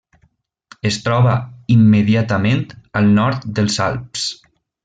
Es troba immediatament al nord dels Alps.